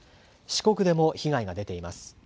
四国でも被害が出ています。